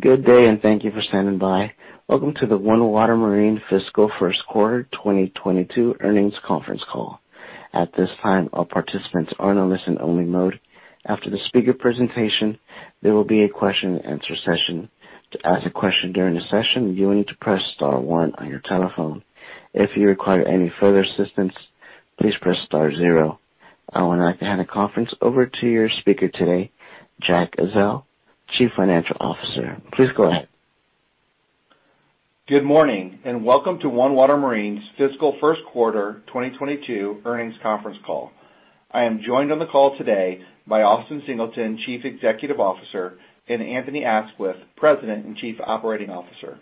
Good day, and thank you for standing by. Welcome to the OneWater Marine Fiscal Q1 2022 Earnings Conference Call. At this time, all participants are in a listen only mode. After the speaker presentation, there will be a question and answer session. To ask a question during the session, you will need to press star one on your telephone. If you require any further assistance, please press star zero. I would like to hand the conference over to your speaker today, Jack Ezzell, Chief Financial Officer. Please go ahead. Good morning, and welcome to OneWater Marine's Fiscal Q1 2022 Earnings Conference Call. I am joined on the call today by Austin Singleton, Chief Executive Officer, and Anthony Aisquith, President and Chief Operating Officer.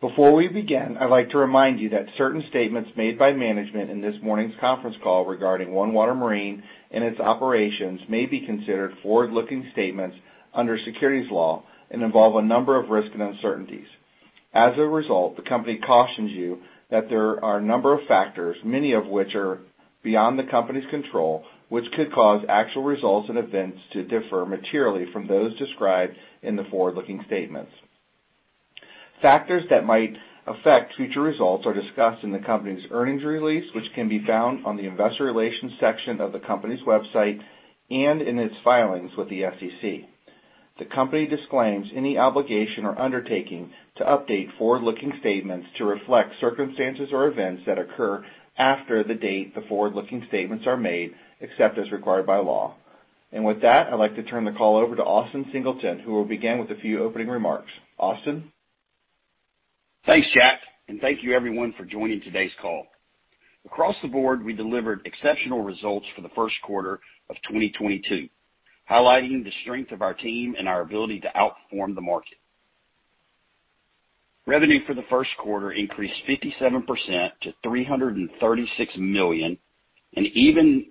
Before we begin, I'd like to remind you that certain statements made by management in this morning's conference call regarding OneWater Marine and its operations may be considered forward-looking statements under securities law and involve a number of risks and uncertainties. As a result, the company cautions you that there are a number of factors, many of which are beyond the company's control, which could cause actual results and events to differ materially from those described in the forward-looking statements. Factors that might affect future results are discussed in the company's earnings release, which can be found on the investor relations section of the company's website and in its filings with the SEC. The company disclaims any obligation or undertaking to update forward-looking statements to reflect circumstances or events that occur after the date the forward-looking statements are made, except as required by law. With that, I'd like to turn the call over to Austin Singleton, who will begin with a few opening remarks. Austin? Thanks, Jack, and thank you everyone for joining today's call. Across the board, we delivered exceptional results for the Q1 of 2022, highlighting the strength of our team and our ability to outperform the market. Revenue for the Q1 increased 57% to $336 million. Even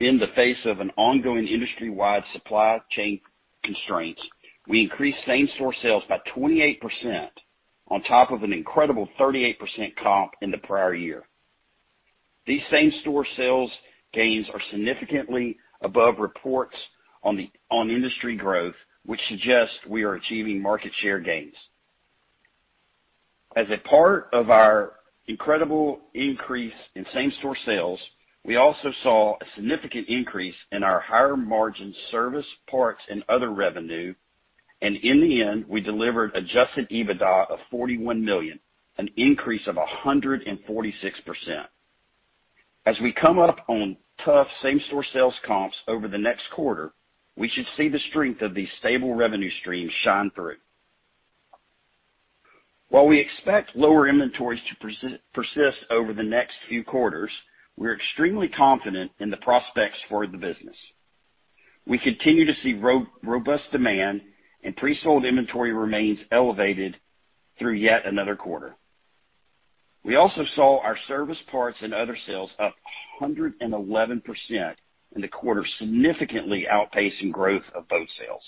in the face of an ongoing industry-wide supply chain constraints, we increased same-store sales by 28% on top of an incredible 38% comp in the prior year. These same-store sales gains are significantly above reports on industry growth, which suggests we are achieving market share gains. As a part of our incredible increase in same-store sales, we also saw a significant increase in our higher margin service, parts, and other revenue. In the end, we delivered Adjusted EBITDA of $41 million, an increase of 146%. As we come up on tough same-store sales comps over the next quarter, we should see the strength of these stable revenue streams shine through. While we expect lower inventories to persist over the next few quarters, we're extremely confident in the prospects for the business. We continue to see robust demand, and pre-sold inventory remains elevated through yet another quarter. We also saw our service parts and other sales up 111% in the quarter, significantly outpacing growth of boat sales.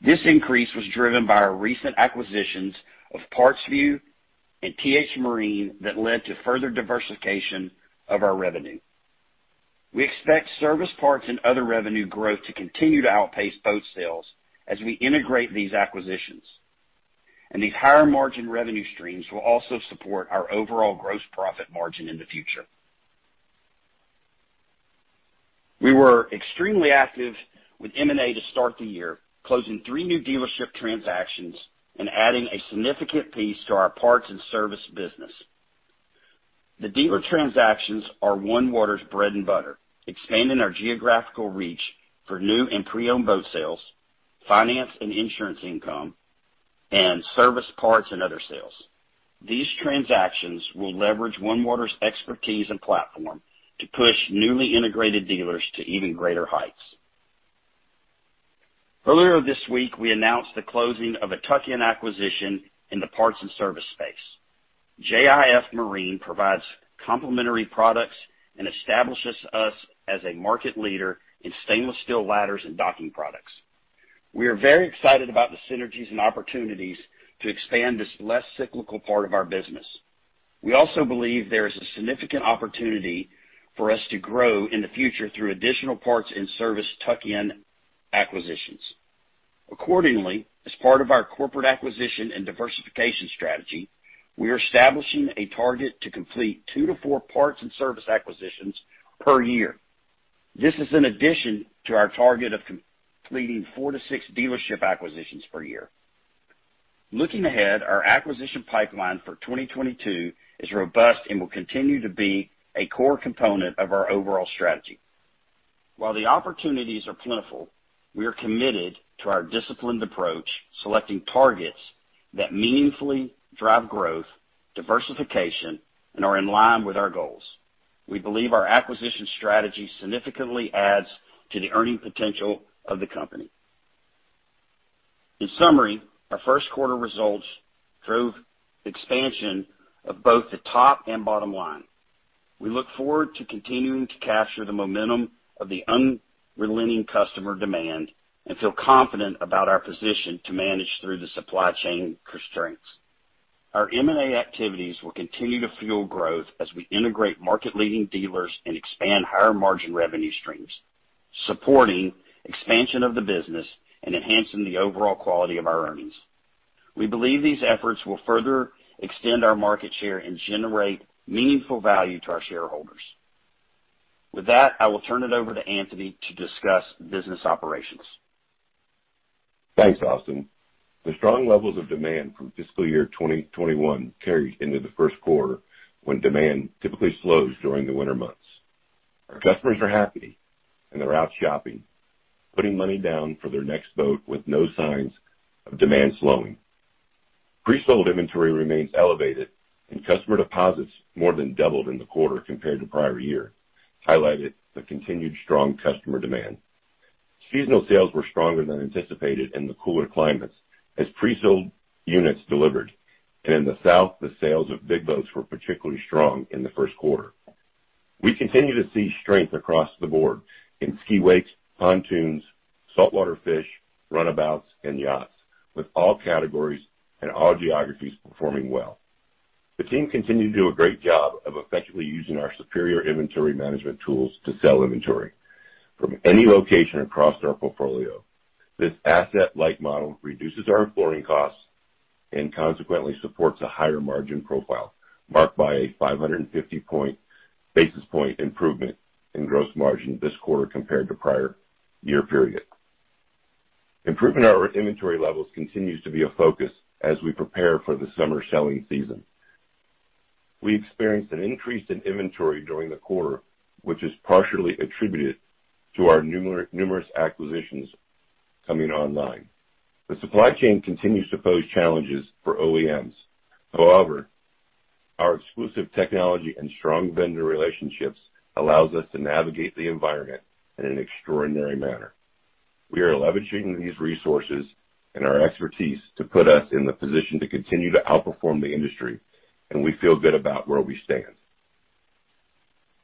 This increase was driven by our recent acquisitions of PartsVu and T-H Marine that led to further diversification of our revenue. We expect service parts and other revenue growth to continue to outpace boat sales as we integrate these acquisitions. These higher margin revenue streams will also support our overall gross profit margin in the future. We were extremely active with M&A to start the year, closing three new dealership transactions and adding a significant piece to our Parts and Service business. The dealer transactions are OneWater's bread and butter, expanding our geographical reach for New and Pre-owned Boat Sales, Finance & Insurance income, and Service, Parts & Other sales. These transactions will leverage OneWater's expertise and platform to push newly integrated dealers to even greater heights. Earlier this week, we announced the closing of a tuck-in acquisition in the Parts and Service space. JIF Marine provides complementary products and establishes us as a market leader in stainless steel ladders and docking products. We are very excited about the synergies and opportunities to expand this less cyclical part of our business. We also believe there is a significant opportunity for us to grow in the future through additional parts and service tuck-in acquisitions. Accordingly, as part of our corporate acquisition and diversification strategy, we are establishing a target to complete two to four parts and service acquisitions per year. This is in addition to our target of completing four to six dealership acquisitions per year. Looking ahead, our acquisition pipeline for 2022 is robust and will continue to be a core component of our overall strategy. While the opportunities are plentiful, we are committed to our disciplined approach, selecting targets that meaningfully drive growth, diversification, and are in line with our goals. We believe our acquisition strategy significantly adds to the earning potential of the company. In summary, our Q1 results drove expansion of both the top and bottom line. We look forward to continuing to capture the momentum of the unrelenting customer demand and feel confident about our position to manage through the supply chain constraints. Our M&A activities will continue to fuel growth as we integrate market-leading dealers and expand higher margin revenue streams, supporting expansion of the business and enhancing the overall quality of our earnings. We believe these efforts will further extend our market share and generate meaningful value to our shareholders. With that, I will turn it over to Anthony to discuss business operations. Thanks, Austin. The strong levels of demand from fiscal year 2021 carried into the Q1 when demand typically slows during the winter months. Our customers are happy, and they're out shopping, putting money down for their next boat with no signs of demand slowing. Pre-sold inventory remains elevated and customer deposits more than doubled in the quarter compared to prior year, highlighted the continued strong customer demand. Seasonal sales were stronger than anticipated in the cooler climates as pre-sold units delivered. In the South, the sales of big boats were particularly strong in the Q1. We continue to see strength across the board in ski wakes, pontoons, saltwater fish, runabouts, and yachts, with all categories and all geographies performing well. The team continued to do a great job of effectively using our superior inventory management tools to sell inventory from any location across our portfolio. This asset-light model reduces our flooring costs and consequently supports a higher margin profile marked by a 550 basis point improvement in gross margin this quarter compared to prior year period. Improvement in our inventory levels continues to be a focus as we prepare for the summer selling season. We experienced an increase in inventory during the quarter, which is partially attributed to our numerous acquisitions coming online. The supply chain continues to pose challenges for OEMs. However, our exclusive technology and strong vendor relationships allows us to navigate the environment in an extraordinary manner. We are leveraging these resources and our expertise to put us in the position to continue to outperform the industry, and we feel good about where we stand.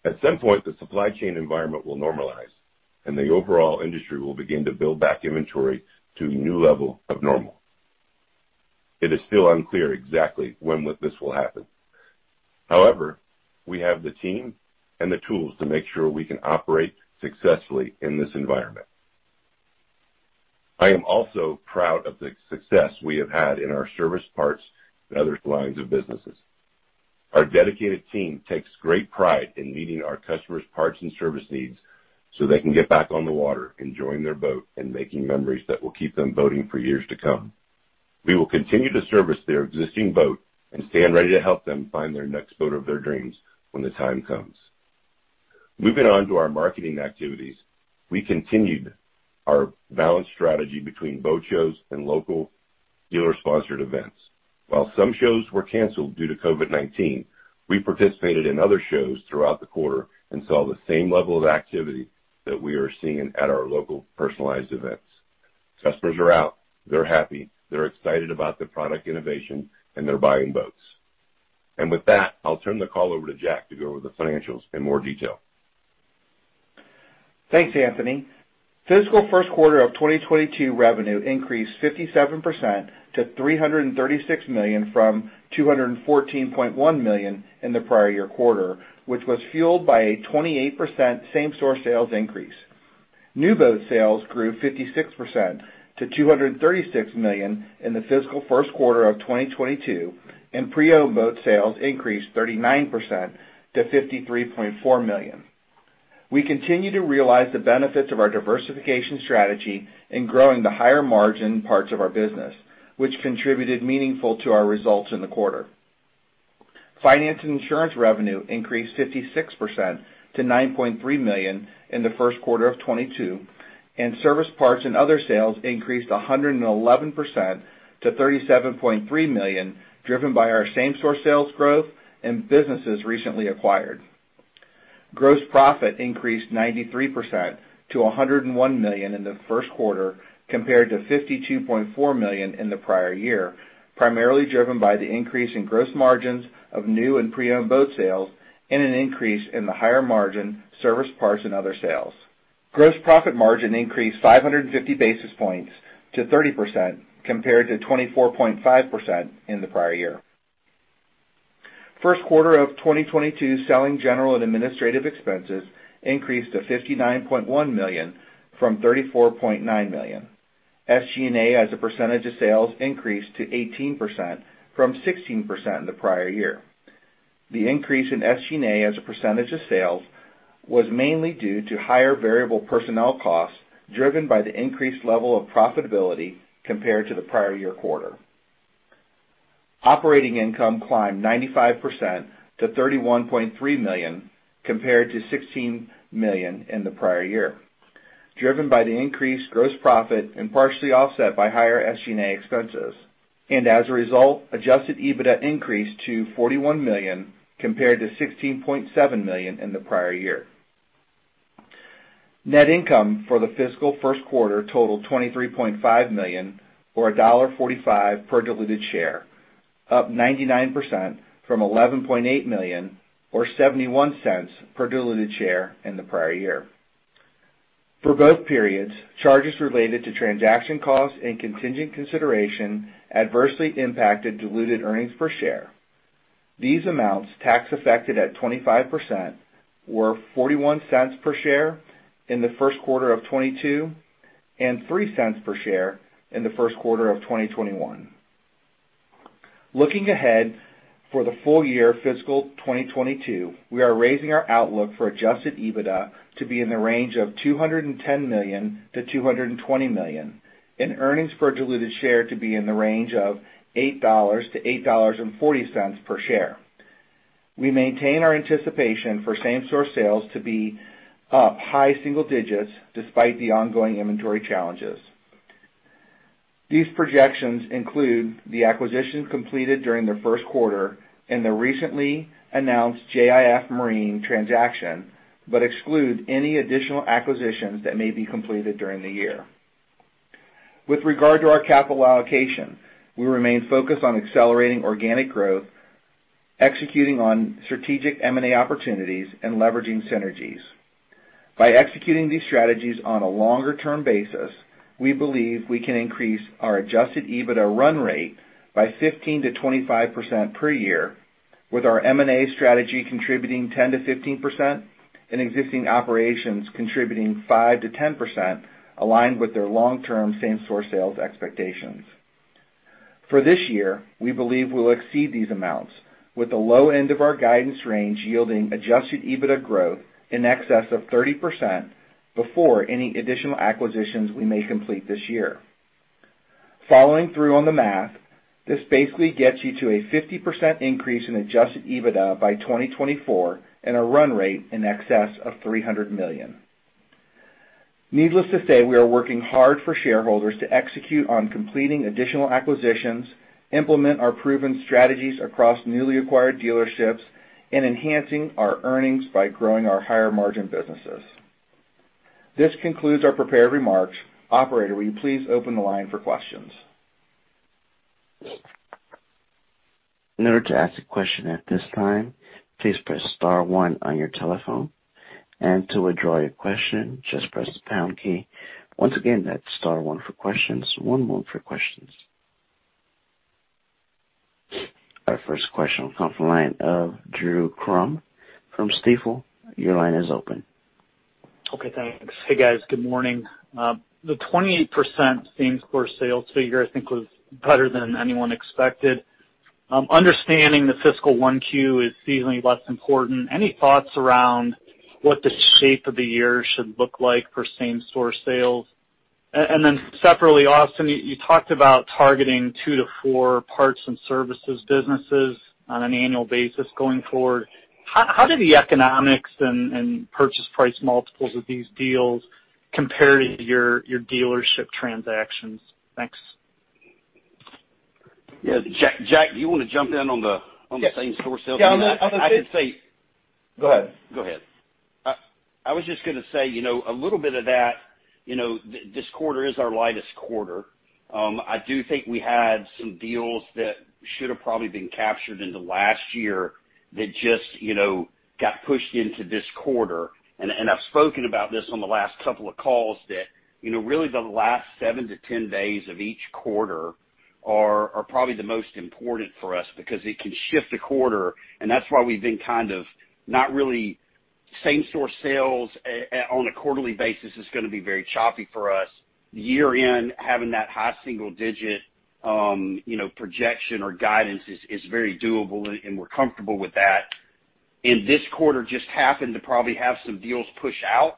At some point, the supply chain environment will normalize and the overall industry will begin to build back inventory to a new level of normal. It is still unclear exactly when this will happen. However, we have the team and the tools to make sure we can operate successfully in this environment. I am also proud of the success we have had in our service parts and other lines of businesses. Our dedicated team takes great pride in meeting our customers' parts and service needs, so they can get back on the water, enjoying their boat and making memories that will keep them boating for years to come. We will continue to service their existing boat and stand ready to help them find their next boat of their dreams when the time comes. Moving on to our marketing activities, we continued our balanced strategy between boat shows and local dealer-sponsored events. While some shows were canceled due to COVID-19, we participated in other shows throughout the quarter and saw the same level of activity that we are seeing at our local personalized events. Customers are out, they're happy, they're excited about the product innovation, and they're buying boats. With that, I'll turn the call over to Jack to go over the financials in more detail. Thanks, Anthony. Fiscal Q1 of 2022 revenue increased 57% to $336 million from $214.1 million in the prior year quarter, which was fueled by a 28% same-store sales increase. New Boat sales grew 56% to $236 million in the fiscal Q1 of 2022, and Pre-owned Boat sales increased 39% to $53.4 million. We continue to realize the benefits of our diversification strategy in growing the higher margin parts of our business, which contributed meaningful to our results in the quarter. Finance and insurance revenue increased 56% to $9.3 million in the Q1 of 2022, and Service, Parts & Other sales increased 111% to $37.3 million, driven by our same-store sales growth and businesses recently acquired. Gross profit increased 93% to $101 million in the Q1, compared to $52.4 million in the prior year, primarily driven by the increase in gross margins of New and Pre-owned Boat sales and an increase in the higher margin Service, Parts & Other sales. Gross profit margin increased 550 basis points to 30% compared to 24.5% in the prior year. Q1 of 2022 selling general and administrative expenses increased to $59.1 million from $34.9 million. SG&A as a percentage of sales increased to 18% from 16% in the prior year. The increase in SG&A as a percentage of sales was mainly due to higher variable personnel costs driven by the increased level of profitability compared to the prior year quarter. Operating income climbed 95% to $31.3 million, compared to $16 million in the prior year, driven by the increased gross profit and partially offset by higher SG&A expenses. As a result, Adjusted EBITDA increased to $41 million compared to $16.7 million in the prior year. Net income for the fiscal Q1 totaled $23.5 million or $1.45 per diluted share, up 99% from $11.8 million or $0.71 per diluted share in the prior year. For both periods, charges related to transaction costs and contingent consideration adversely impacted diluted earnings per share. These amounts, tax affected at 25%, were $0.41 per share in the Q1 of 2022 and $0.03 per share in the Q1 of 2021. Looking ahead for the full year fiscal 2022, we are raising our outlook for Adjusted EBITDA to be in the range of $210 million-$220 million, and earnings per diluted share to be in the range of $8-$8.40 per share. We maintain our anticipation for same store sales to be up high single digits despite the ongoing inventory challenges. These projections include the acquisitions completed during the Q1 and the recently announced JIF Marine transaction, but exclude any additional acquisitions that may be completed during the year. With regard to our capital allocation, we remain focused on accelerating organic growth, executing on strategic M&A opportunities, and leveraging synergies. By executing these strategies on a longer-term basis, we believe we can increase our Adjusted EBITDA run rate by 15%-25% per year, with our M&A strategy contributing 10%-15% and existing operations contributing 5%-10% aligned with their long-term same store sales expectations. For this year, we believe we'll exceed these amounts with the low end of our guidance range yielding Adjusted EBITDA growth in excess of 30% before any additional acquisitions we may complete this year. Following through on the math, this basically gets you to a 50% increase in Adjusted EBITDA by 2024 and a run rate in excess of $300 million. Needless to say, we are working hard for shareholders to execute on completing additional acquisitions, implement our proven strategies across newly acquired dealerships, and enhancing our earnings by growing our higher margin businesses. This concludes our prepared remarks. Operator, will you please open the line for questions? In order to ask a question at this time, please press star one on your telephone, and to withdraw your question, just press the pound key. Once again, that's star one for questions. One more for questions. Our first question will come from the line of Drew Crum from Stifel. Your line is open. Okay, thanks. Hey, guys. Good morning. The 28% same store sales figure I think was better than anyone expected. Understanding the fiscal 1Q is seasonally less important, any thoughts around what the shape of the year should look like for same store sales? Separately, Austin, you talked about targeting two to four parts and services businesses on an annual basis going forward. How do the economics and purchase price multiples of these deals compare to your dealership transactions? Thanks. Yeah. Jack, do you want to jump in on the same store sales? I can say- Go ahead. Go ahead. I was just gonna say, you know, a little bit of that, you know, this quarter is our lightest quarter. I do think we had some deals that should have probably been captured in the last year that just, you know, got pushed into this quarter. I've spoken about this on the last couple of calls that, you know, really the last seven to 10 days of each quarter are probably the most important for us because it can shift a quarter, and that's why we've been kind of not really same store sales on a quarterly basis is gonna be very choppy for us. Year-end, having that high single digit projection or guidance is very doable, and we're comfortable with that. This quarter just happened to probably have some deals push out,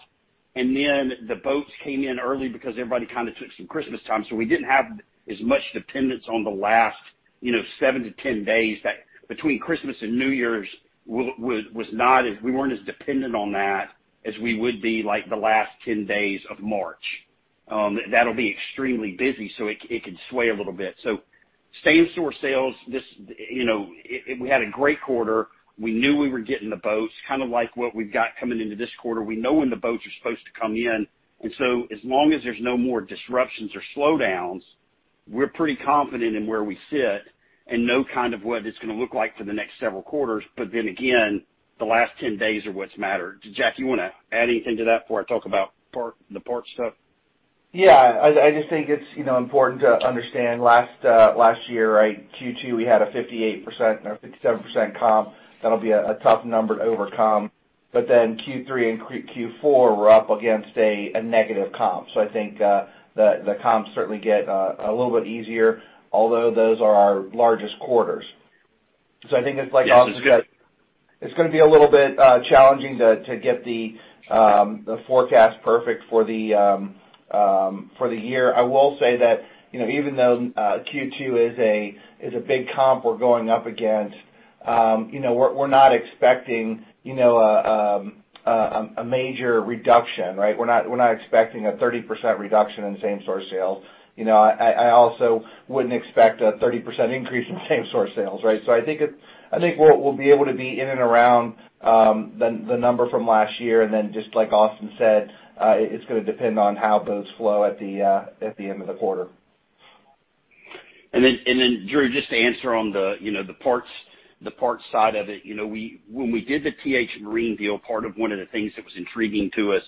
and then the boats came in early because everybody kind of took some Christmas time, so we didn't have as much dependence on the last, you know, seven to 10 days that between Christmas and New Year's was not as we weren't as dependent on that as we would be like the last 10 days of March. That'll be extremely busy, so it can sway a little bit. Same store sales, this, you know, we had a great quarter. We knew we were getting the boats, kind of like what we've got coming into this quarter. We know when the boats are supposed to come in. As long as there's no more disruptions or slowdowns, we're pretty confident in where we sit and know kind of what it's gonna look like for the next several quarters. Again, the last 10 days are what's mattered. Jack, you wanna add anything to that before I talk about the part stuff? Yeah. I just think it's, you know, important to understand last year, right, Q2, we had a 58% or 57% comp. That'll be a tough number to overcome. Q3 and Q4, we're up against a negative comp. I think the comps certainly get a little bit easier, although those are our largest quarters. I think it's like Austin said- Yes. It's gonna be a little bit challenging to get the forecast perfect for the year. I will say that, you know, even though Q2 is a big comp we're going up against, you know, we're not expecting, you know, a major reduction, right? We're not expecting a 30% reduction in same store sales. You know, I also wouldn't expect a 30% increase in same store sales, right? I think we'll be able to be in and around the number from last year. Just like Austin said, it's gonna depend on how those flow at the end of the quarter. Drew, just to answer on the, you know, the parts side of it. You know, when we did the T-H Marine deal, part of one of the things that was intriguing to us,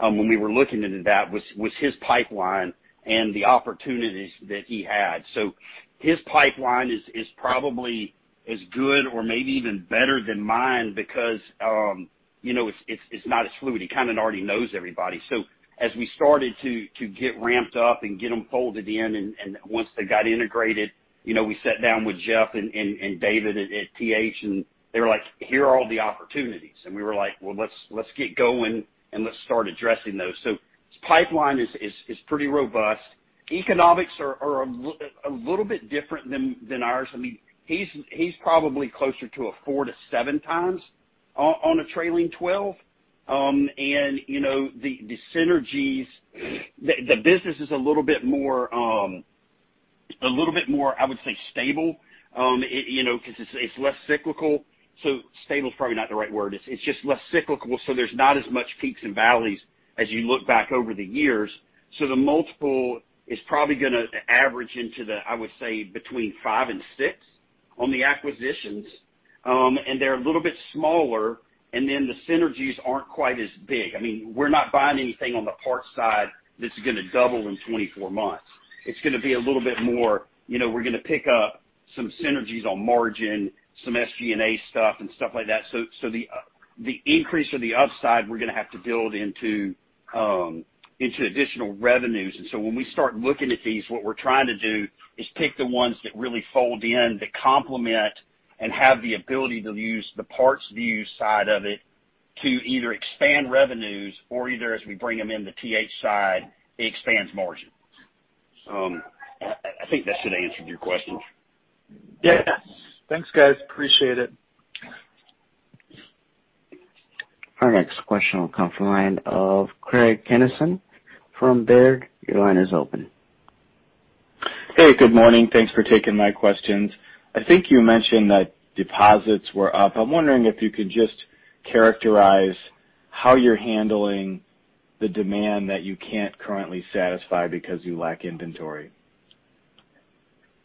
when we were looking into that was his pipeline and the opportunities that he had. His pipeline is probably as good or maybe even better than mine because, you know, it's not as fluid. He kind of already knows everybody. As we started to get ramped up and get them folded in, and once they got integrated, you know, we sat down with Jeff and David at T-H, and they were like, "Here are all the opportunities." And we were like, "Well, let's get going and let's start addressing those." His pipeline is pretty robust. Economics are a little bit different than ours. I mean, he's probably closer to a 4x to 7x on a trailing 12. And, you know, the synergies, the business is a little bit more, I would say, stable, it, you know, because it's less cyclical. Stable is probably not the right word. It's just less cyclical, so there's not as much peaks and valleys as you look back over the years. The multiple is probably gonna average into the, I would say, between five and six on the acquisitions. They're a little bit smaller, and then the synergies aren't quite as big. I mean, we're not buying anything on the parts side that's gonna double in 24 months. It's gonna be a little bit more, you know, we're gonna pick up some synergies on margin, some SG&A stuff and stuff like that. The increase or the upside we're gonna have to build into additional revenues. When we start looking at these, what we're trying to do is pick the ones that really fold in, that complement and have the ability to use the PartsVu side of it to either expand revenues or either as we bring them in the T-H side, it expands margin. I think that should answer your question. Yeah. Thanks, guys. Appreciate it. Our next question will come from the line of Craig Kennison from Baird. Your line is open. Hey, good morning. Thanks for taking my questions. I think you mentioned that deposits were up. I'm wondering if you could just characterize how you're handling the demand that you can't currently satisfy because you lack inventory.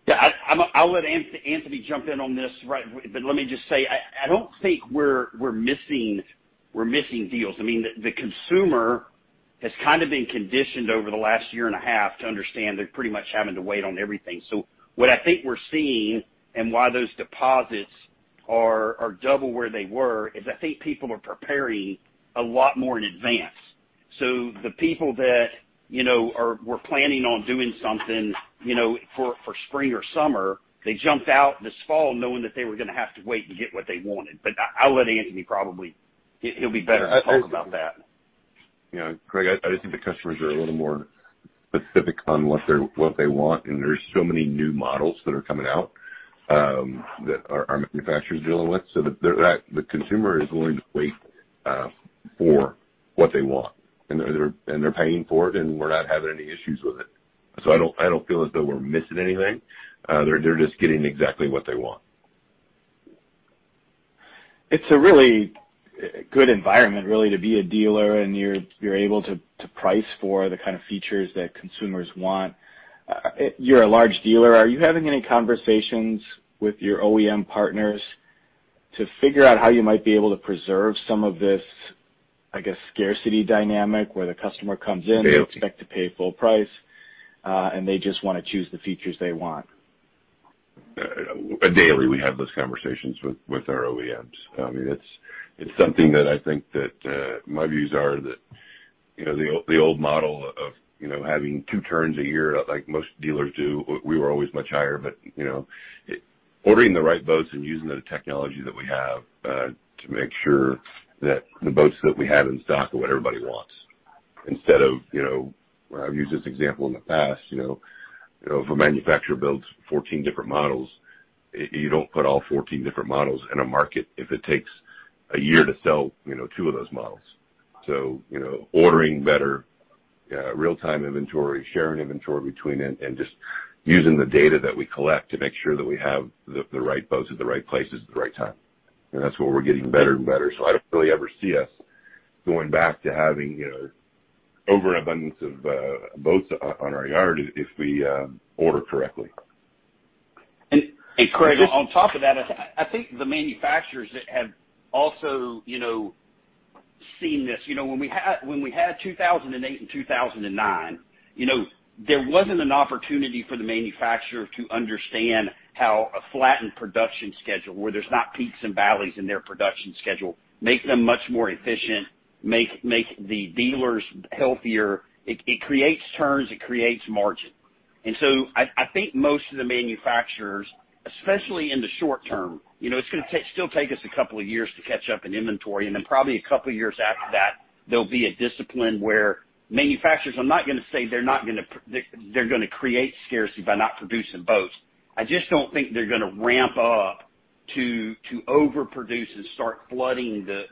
Yeah. I'll let Anthony jump in on this, right? Let me just say, I don't think we're missing deals. I mean, the consumer has kind of been conditioned over the last year and a half to understand they're pretty much having to wait on everything. What I think we're seeing and why those deposits are double where they were is I think people are preparing a lot more in advance. The people that, you know, were planning on doing something, you know, for spring or summer, they jumped out this fall knowing that they were gonna have to wait and get what they wanted. I'll let Anthony probably. He'll be better to talk about that. You know, Craig, I just think the customers are a little more specific on what they want, and there's so many new models that are coming out that our manufacturer's dealing with, so that the consumer is willing to wait for what they want. They're paying for it, and we're not having any issues with it. I don't feel as though we're missing anything. They're just getting exactly what they want. It's a really good environment really to be a dealer and you're able to price for the kind of features that consumers want. You're a large dealer. Are you having any conversations with your OEM partners to figure out how you might be able to preserve some of this, I guess, scarcity dynamic where the customer comes in- Daily. -they expect to pay full price, and they just wanna choose the features they want? Daily, we have those conversations with our OEMs. I mean, it's something that I think that my views are that, you know, the old model of, you know, having two turns a year, like most dealers do, we were always much higher. You know, ordering the right boats and using the technology that we have to make sure that the boats that we have in stock are what everybody wants instead of, you know, I've used this example in the past, you know. You know, if a manufacturer builds 14 different models, you don't put all 14 different models in a market if it takes a year to sell, you know, two of those models. You know, ordering better, real-time inventory, sharing inventory between, and just using the data that we collect to make sure that we have the right boats at the right places at the right time. And that's where we're getting better and better. I don't really ever see us going back to having, you know, overabundance of boats on our yard if we order correctly. Craig, on top of that, I think the manufacturers have also, you know, seen this. You know, when we had 2008 and 2009, you know, there wasn't an opportunity for the manufacturer to understand how a flattened production schedule, where there's not peaks and valleys in their production schedule, makes them much more efficient, make the dealers healthier. It creates turns, it creates margin. I think most of the manufacturers, especially in the short term, you know, it's gonna still take us a couple of years to catch up in inventory, and then probably a couple of years after that, there'll be a discipline where manufacturers, I'm not gonna say they're not gonna. They're gonna create scarcity by not producing boats. I just don't think they're gonna ramp up to overproduce and start flooding the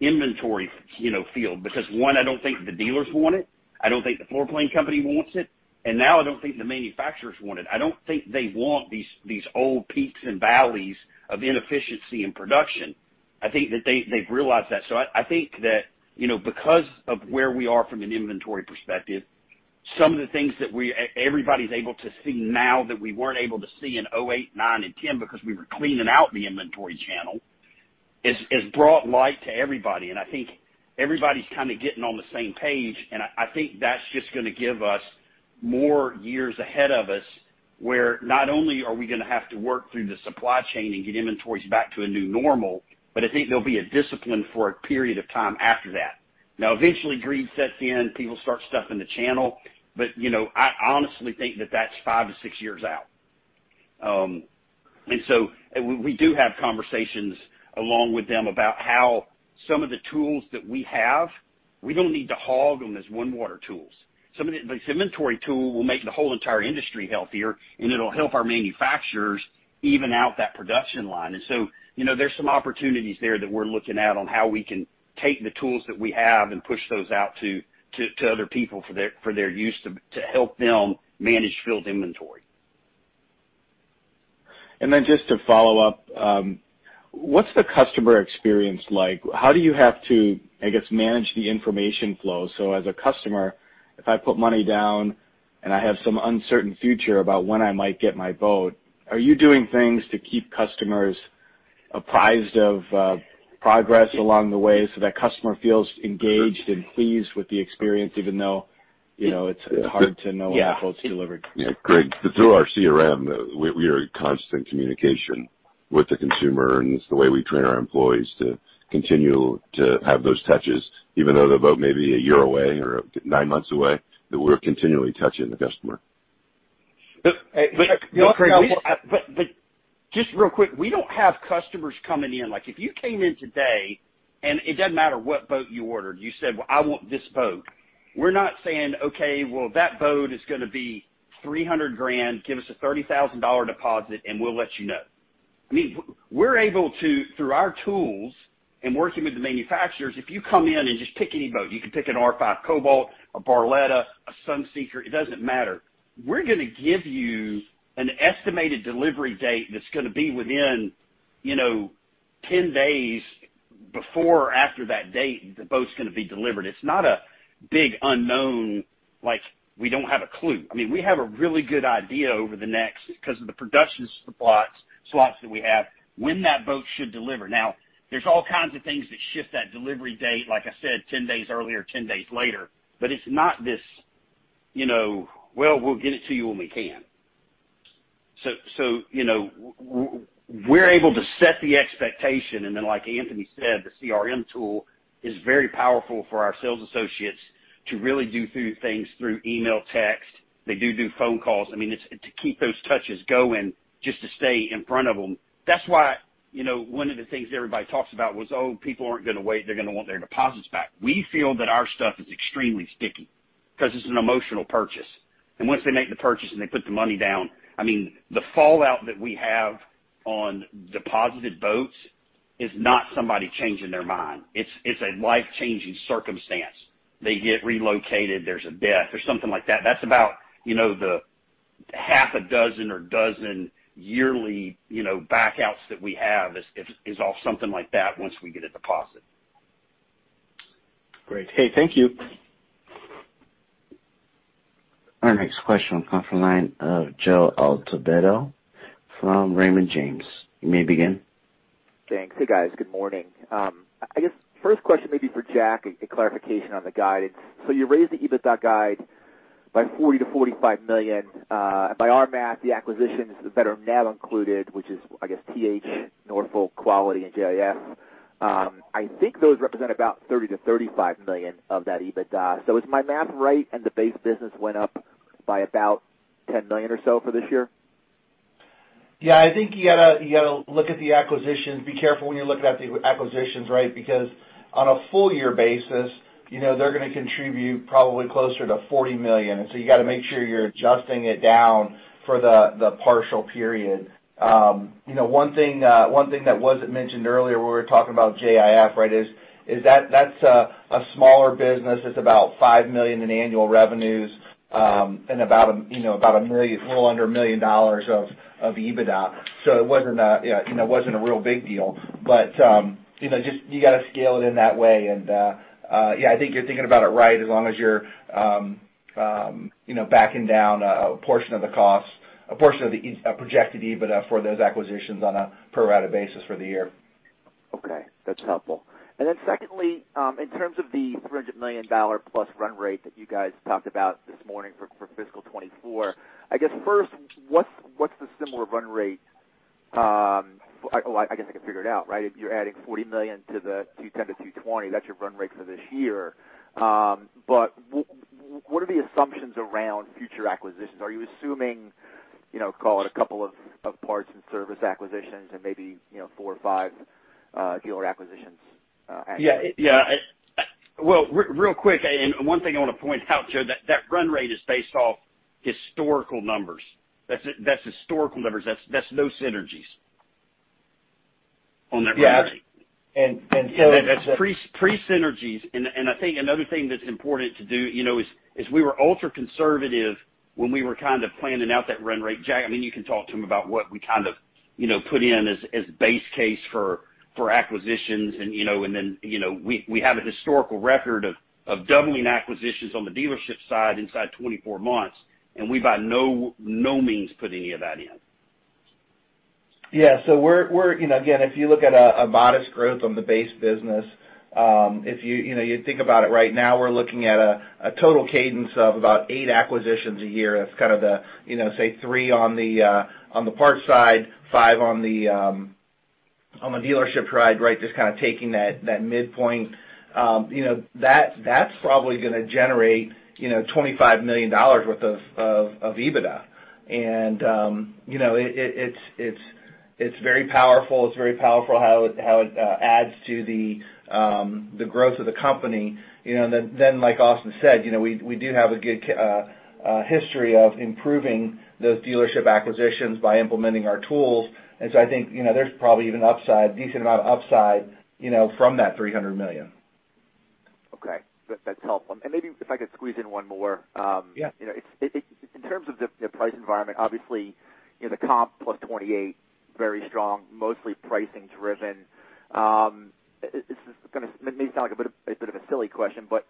inventory, you know, field because, one, I don't think the dealers want it, I don't think the floor plan company wants it, and now I don't think the manufacturers want it. I don't think they want these old peaks and valleys of inefficiency in production. I think that they've realized that. I think that, you know, because of where we are from an inventory perspective, some of the things that everybody's able to see now that we weren't able to see in 2008, 2009, and 2010 because we were cleaning out the inventory channel, has brought light to everybody. I think everybody's kind of getting on the same page. I think that's just gonna give us more years ahead of us, where not only are we gonna have to work through the supply chain and get inventories back to a new normal, but I think there'll be a discipline for a period of time after that. Now, eventually, greed sets in, people start stuffing the channel. You know, I honestly think that that's five to six years out. We do have conversations along with them about how some of the tools that we have, we don't need to hog them as OneWater tools. Some of the this inventory tool will make the whole entire industry healthier, and it'll help our manufacturers even out that production line. You know, there's some opportunities there that we're looking at on how we can take the tools that we have and push those out to other people for their use to help them manage field inventory. Just to follow up, what's the customer experience like? How do you have to, I guess, manage the information flow? As a customer, if I put money down and I have some uncertain future about when I might get my boat, are you doing things to keep customers apprised of progress along the way so that customer feels engaged and pleased with the experience, even though, you know, it's hard to know when the boat's delivered? Yeah. Craig, through our CRM, we are in constant communication with the consumer, and it's the way we train our employees to continue to have those touches, even though the boat may be a year away or nine months away, that we're continually touching the customer. Just real quick, we don't have customers coming in. Like, if you came in today, and it doesn't matter what boat you ordered, you said, "Well, I want this boat." We're not saying, "Okay, well, that boat is gonna be $300,000. Give us a $30,000 deposit, and we'll let you know." I mean, we're able to, through our tools and working with the manufacturers, if you come in and just pick any boat, you can pick a Cobalt R5, a Barletta, a Sunseeker, it doesn't matter. We're gonna give you an estimated delivery date that's gonna be within, you know, 10 days before or after that date, the boat's gonna be delivered. It's not a big unknown like we don't have a clue. I mean, we have a really good idea over the next because of the production slots that we have when that boat should deliver. Now, there's all kinds of things that shift that delivery date, like I said, 10 days earlier, 10 days later, but it's not this, you know, "Well, we'll get it to you when we can." So, you know, we're able to set the expectation, and then like Anthony said, the CRM tool is very powerful for our sales associates to really do those things through email, text. They do phone calls. I mean, it's to keep those touches going, just to stay in front of them. That's why, you know, one of the things everybody talks about was, oh, people aren't going to wait, they're going to want their deposits back. We feel that our stuff is extremely sticky because it's an emotional purchase. Once they make the purchase and they put the money down, I mean, the fallout that we have on deposited boats is not somebody changing their mind. It's a life-changing circumstance. They get relocated, there's a death or something like that. That's about, you know, the half a dozen or dozen yearly, you know, back outs that we have is off something like that once we get a deposit. Great. Hey, thank you. Our next question comes from the line of Joseph Altobello from Raymond James. You may begin. Thanks. Hey, guys. Good morning. I guess first question may be for Jack, a clarification on the guidance. You raised the EBITDA guide by $40 million-$45 million. By our math, the acquisitions that are now included, which is, I guess, T-H Marine, Norfolk Marine, Quality Boats, and JIF Marine, I think those represent about $30 million-$35 million of that EBITDA. Is my math right, and the base business went up by about $10 million or so for this year? Yeah, I think you gotta look at the acquisitions. Be careful when you're looking at the acquisitions, right? Because on a full year basis, you know, they're gonna contribute probably closer to $40 million. You got to make sure you're adjusting it down for the partial period. One thing that wasn't mentioned earlier, we were talking about JIF, right, that's a smaller business. It's about $5 million in annual revenues, and about, you know, a little under $1 million of EBITDA. So it wasn't a real big deal. You know, just you got to scale it in that way and, yeah, I think you're thinking about it right as long as you're, you know, backing down a portion of the costs, a portion of the projected EBITDA for those acquisitions on a pro rata basis for the year. Okay, that's helpful. Secondly, in terms of the $300 million plus run rate that you guys talked about this morning for fiscal 2024, I guess first, what's the similar run rate? Oh, I guess I can figure it out, right? If you're adding $40 million to the $210 million-$220 million, that's your run rate for this year. But what are the assumptions around future acquisitions? Are you assuming, you know, call it a couple of parts and service acquisitions and maybe, you know, four or five dealer acquisitions? Yeah. Yeah. Well, real quick, one thing I want to point out, Joe, that run rate is based off historical numbers. That's historical numbers. That's no synergies on that run rate. Yeah. Pre synergies. I think another thing that's important to do, you know, is we were ultra-conservative when we were kind of planning out that run rate. Jack, I mean, you can talk to him about what we kind of, you know, put in as base case for acquisitions, you know, we have a historical record of doubling acquisitions on the dealership side inside 24 months, and we by no means put any of that in. We're you know again if you look at a modest growth on the base business if you know you think about it right now we're looking at a total cadence of about eight acquisitions a year. That's kind of the you know say three on the parts side on the dealership side right? Just kind of taking that midpoint. You know that's probably gonna generate you know $25 million worth of EBITDA. You know it's very powerful. It's very powerful how it adds to the growth of the company. You know like Austin said you know we do have a good history of improving those dealership acquisitions by implementing our tools. I think, you know, there's probably even upside, decent amount of upside, you know, from that $300 million. Okay. That's helpful. Maybe if I could squeeze in one more. Yeah. You know, in terms of the price environment, obviously, you know, the comp +28%, very strong, mostly pricing driven. This may sound like a bit of a silly question, but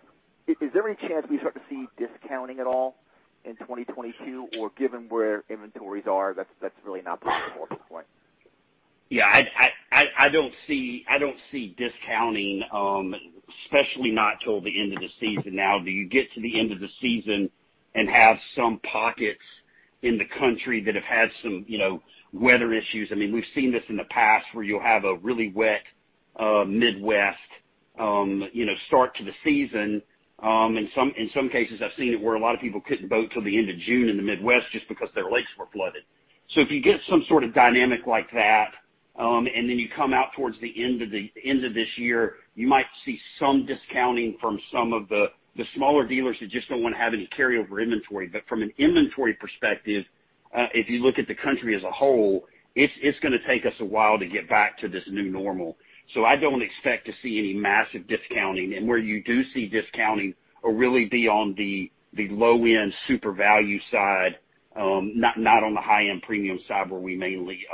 is there any chance we start to see discounting at all in 2022, or given where inventories are, that's really not possible at this point? Yeah. I don't see discounting, especially not till the end of the season. Now, do you get to the end of the season and have some pockets in the country that have had some, you know, weather issues? I mean, we've seen this in the past where you'll have a really wet Midwest, you know, start to the season. In some cases, I've seen it where a lot of people couldn't boat till the end of June in the Midwest just because their lakes were flooded. So if you get some sort of dynamic like that, and then you come out towards the end of this year, you might see some discounting from some of the smaller dealers who just don't want to have any carryover inventory. From an inventory perspective, if you look at the country as a whole, it's gonna take us a while to get back to this new normal. I don't expect to see any massive discounting. Where you do see discounting will really be on the low-end super value side, not on the high-end premium side where we mainly,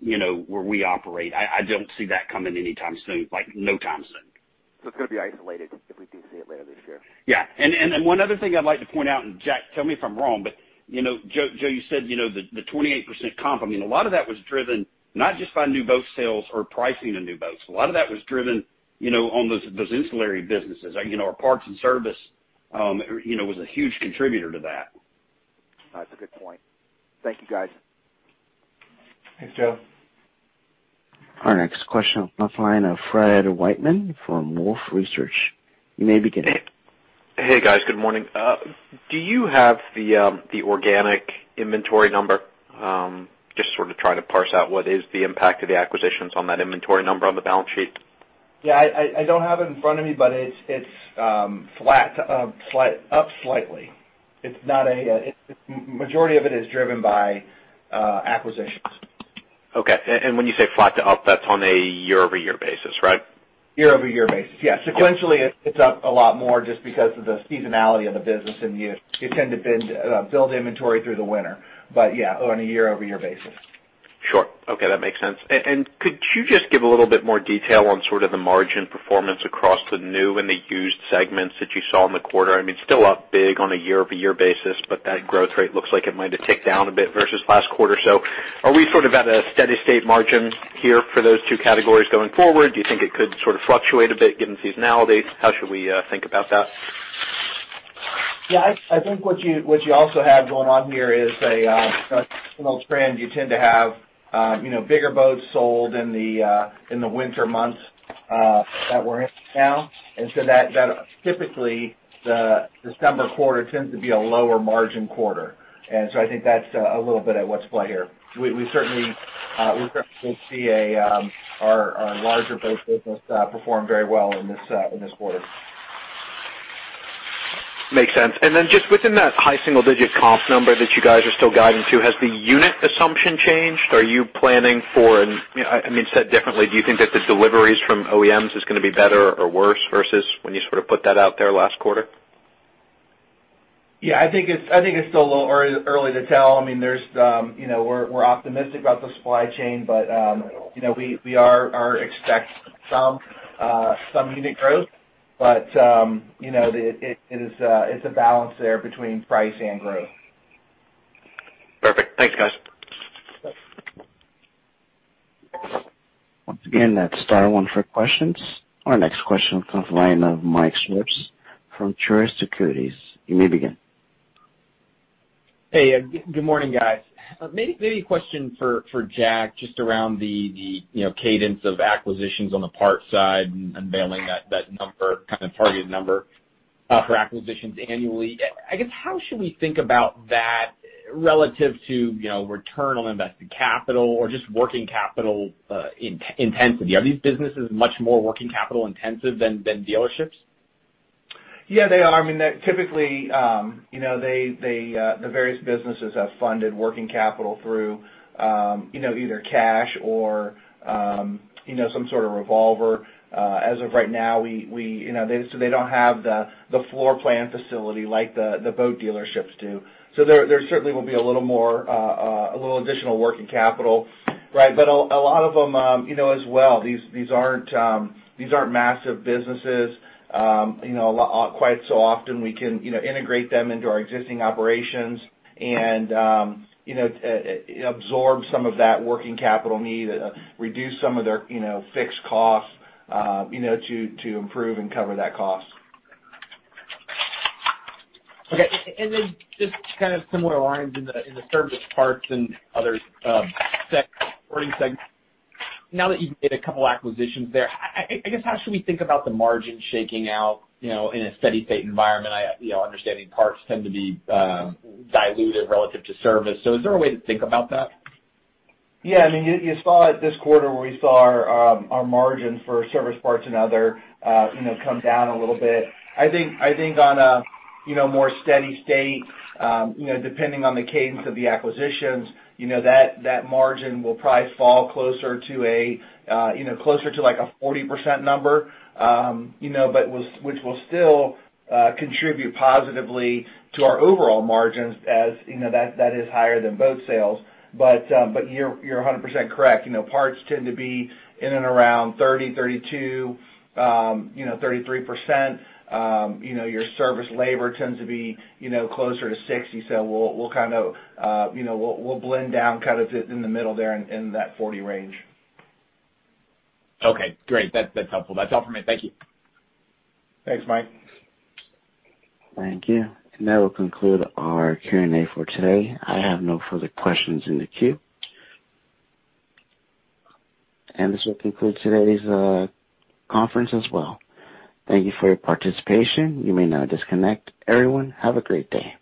you know, where we operate. I don't see that coming anytime soon, like no time soon. It's gonna be isolated if we do see it later this year. Yeah. Then one other thing I'd like to point out, and Jack, tell me if I'm wrong, but you know, Joe, you said, you know, the 28% comp. I mean, a lot of that was driven not just by New Boat sales or pricing of New Boats. A lot of that was driven, you know, on those ancillary businesses. You know, our Parts and Service was a huge contributor to that. That's a good point. Thank you, guys. Thanks, Joe. Our next question on the line of Fred Wightman from Wolfe Research. You may begin. Hey, guys. Good morning. Do you have the organic inventory number? Just sort of trying to parse out what is the impact of the acquisitions on that inventory number on the balance sheet? Yeah. I don't have it in front of me, but it's flat, up slightly. It's not. A majority of it is driven by acquisitions. Okay. When you say flat to up, that's on a year-over-year basis, right? Year-over-year basis. Yeah. Sequentially, it's up a lot more just because of the seasonality of the business in the year. You tend to build inventory through the winter, but yeah, on a year-over-year basis. Sure. Okay. That makes sense. Could you just give a little bit more detail on sort of the margin performance across the New and the used segments that you saw in the quarter? I mean, still up big on a year-over-year basis, but that growth rate looks like it might have ticked down a bit versus last quarter. Are we sort of at a steady state margin here for those two categories going forward? Do you think it could sort of fluctuate a bit given seasonality? How should we think about that? Yeah. I think what you also have going on here is a seasonal trend. You tend to have, you know, bigger boats sold in the winter months that we're in now. That typically the December quarter tends to be a lower margin quarter. I think that's a little bit of what's at play here. We certainly see our larger boat business perform very well in this quarter. Makes sense. Then just within that high single digit comp number that you guys are still guiding to, has the unit assumption changed? I mean, said differently, do you think that the deliveries from OEMs is gonna be better or worse versus when you sort of put that out there last quarter? Yeah. I think it's still a little early to tell. I mean, you know, we're optimistic about the supply chain, but you know, we expect some unit growth. You know, it is a balance there between price and growth. Perfect. Thanks, guys. Once again, that's star one for questions. Our next question comes from the line of Michael Swartz from Truist Securities. You may begin. Hey, good morning, guys. Maybe a question for Jack, just around the, you know, cadence of acquisitions on the parts side and unveiling that number, kind of targeted number for acquisitions annually. I guess, how should we think about that relative to, you know, return on invested capital or just working capital, int-intensity? Are these businesses much more working capital intensive than dealerships? Yeah, they are. I mean, they're typically, you know, the various businesses have funded working capital through, you know, either cash or, you know, some sort of revolver. As of right now, you know, so they don't have the floor plan facility like the boat dealerships do. There certainly will be a little more, a little additional working capital, right? A lot of them, you know, as well, these aren't massive businesses. You know, quite so often we can, you know, integrate them into our existing operations and, you know, absorb some of that working capital need, reduce some of their, you know, fixed costs, you know, to improve and cover that cost. Okay. Just kind of similar lines in the service parts and other supporting segments. Now that you've made a couple acquisitions there, I guess, how should we think about the margin shaking out, you know, in a steady state environment? You know, understanding parts tend to be diluted relative to service, so is there a way to think about that? Yeah. I mean, you saw it this quarter where we saw our margin for Service, Parts & Other, you know, come down a little bit. I think on a more steady state, you know, depending on the cadence of the acquisitions, you know, that margin will probably fall closer to a, you know, closer to, like, a 40% number. You know, but which will still contribute positively to our overall margins as you know, that is higher than boat sales. You're 100% correct. You know, parts tend to be in and around 30%, 32%, 33%. You know, your Service labor tends to be, you know, closer to 60%. We'll kind of, you know, we'll blend down kind of in the middle there in that 40 range. Okay, great. That's helpful. That's all for me. Thank you. Thanks, Mike. Thank you. That will conclude our Q&A for today. I have no further questions in the queue. This will conclude today's conference as well. Thank you for your participation. You may now disconnect. Everyone, have a great day.